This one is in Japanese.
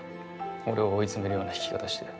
俺を追い詰めるような弾き方して。